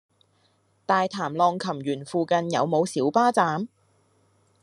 大潭浪琴園附近有無小巴站？